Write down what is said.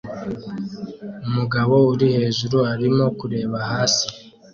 Umugabo uri hejuru arimo kureba hasi